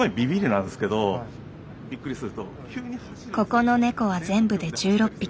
ここのネコは全部で１６匹。